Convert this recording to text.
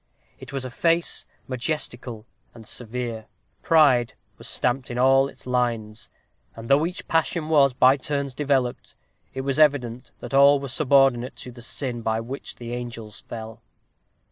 It was a face majestical and severe. Pride was stamped in all its lines; and though each passion was, by turns, developed, it was evident that all were subordinate to the sin by which the angels fell.